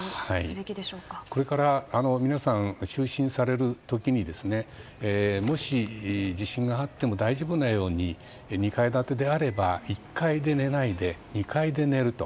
これから皆さん就寝される時にもし地震があっても大丈夫なよう２階建てであれば１階で寝ないで２階で寝ると。